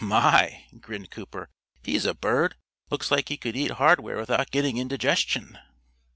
"My!" grinned Cooper. "He's a bird. Looks like he could eat hardware without getting indigestion."